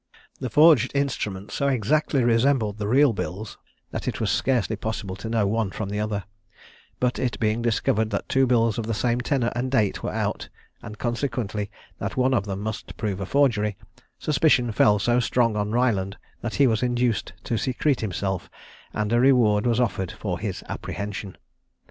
The forged instruments so exactly resembled the real bills that it was scarcely possible to know one from the other; but it being discovered that two bills of the same tenor and date were out, and consequently that one of them must prove a forgery, suspicion fell so strong on Ryland that he was induced to secrete himself, and a reward was offered for his apprehension.